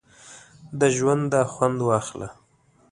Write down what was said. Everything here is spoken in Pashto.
د ژونده خوند واخله!